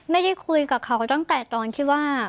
ได้คุยกับเขาตั้งแต่ตอนที่ว่า